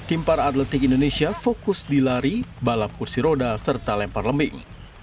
tim para atletik indonesia fokus di lari balap kursi roda serta lempar lembing